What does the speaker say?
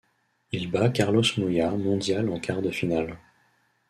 Il bat Carlos Moyà mondial en quart de finale.